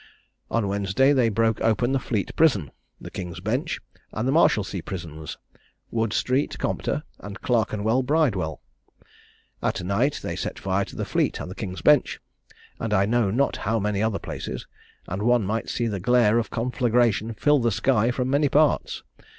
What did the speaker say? "On Wednesday they broke open the Fleet Prison, the King's Bench and Marshalsea Prisons, Wood street Compter, and Clerkenwell Bridewell. At night they set fire to the Fleet and the King's Bench, and I know not how many other places; and one might see the glare of conflagration fill the sky from many parts.